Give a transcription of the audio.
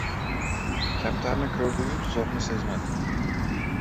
Kaptarni koʻrdi-yu, tuzoqni sezmadi.